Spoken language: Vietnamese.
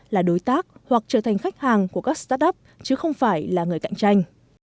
là đối tác hoặc trở thành khách hàng của các start up chứ không phải là người cạnh tranh